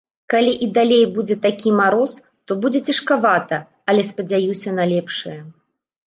Калі і далей будзе такі мароз, то будзе цяжкавата, але спадзяюся на лепшае.